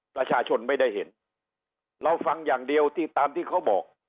ประชาชนไม่ได้เห็นเราฟังอย่างเดียวที่ตามที่เขาบอก